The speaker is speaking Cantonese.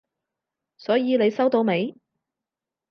所以你收到未？